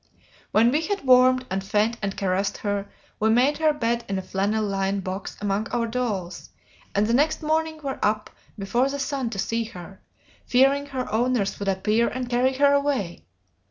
When we had warmed, and fed, and caressed her, we made her bed in a flannel lined box among our dolls, and the next morning were up before the sun to see her, fearing her owners would appear and carry her away.